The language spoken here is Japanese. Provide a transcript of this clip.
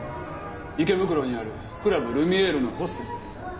池袋にあるクラブルミエールのホステスです。